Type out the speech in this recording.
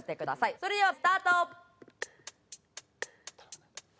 それではスタート。